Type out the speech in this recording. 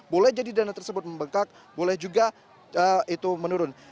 boleh jadi dana tersebut membengkak boleh juga itu menurun